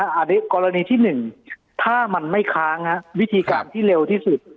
อันนี้กรณีที่๑ถ้ามันไม่ค้างวิธีการที่เร็วที่สุด